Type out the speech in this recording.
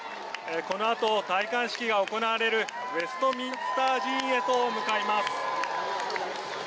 このあと戴冠式が行われるウェストミンスター寺院へと向かいます。